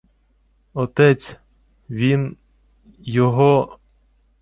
— Отець... він... Його...